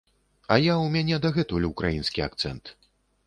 А я ў мяне дагэтуль украінскі акцэнт.